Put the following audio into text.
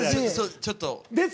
ちょっと。